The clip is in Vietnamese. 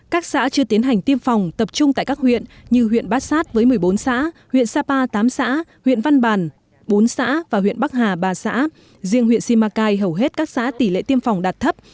các xã chưa tiến hành tiêm phòng tập trung tại các huyện như huyện bát sát với một mươi bốn xã huyện sapa tám xã huyện văn bàn bốn xã và huyện bắc hà ba xã riêng huyện simacai hầu hết các xã tỷ lệ tiêm phòng đạt thấp